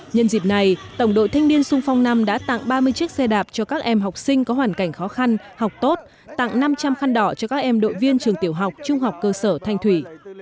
nhân dịp này tổng đội thanh niên sung phong năm đã tặng ba mươi chiếc xe đạp cho các em học sinh có hoàn cảnh khó khăn học tốt tặng năm trăm linh khăn đỏ cho các em đội viên trường tiểu học trung học cơ sở thanh thủy